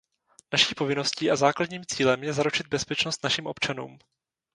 Naší povinností a základním cílem je zaručit bezpečnost našim občanům.